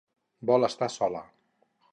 Vol estar sola.